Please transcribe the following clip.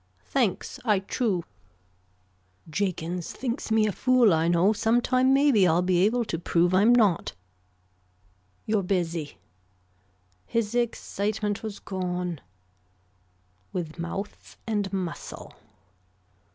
Thanks I chew. Jakins thinks me a fool I know sometime maybe I'll be able to prove I'm not. You're busy. His excitement was gone. With mouth and muscle.